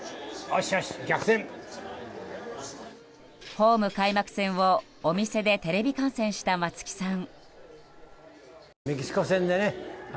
ホーム開幕戦をお店でテレビ観戦した松木さん。